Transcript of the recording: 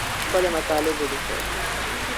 ښکلي مطالب ولیکئ.